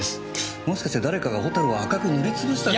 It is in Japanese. もしかして誰かがホタルを赤く塗りつぶした。